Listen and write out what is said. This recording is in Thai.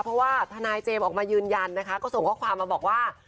เพราะว่าทนายเจมส์ออกมายืนยันนะคะก็ส่งข้อความมาบอกว่า